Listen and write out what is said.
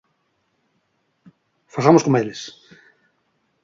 Fagamos como eles.